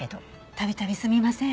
度々すみません。